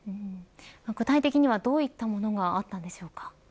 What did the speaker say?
具体的にはどういったものがあったんでしょうか。